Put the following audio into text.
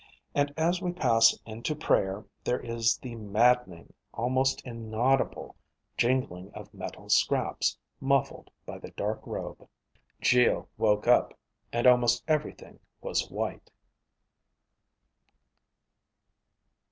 And as we pass into prayer, there is the maddening, almost inaudible jingling of metal scraps, muffled by the dark robe._ Geo woke up, and almost everything was white.